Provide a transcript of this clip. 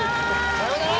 さようなら！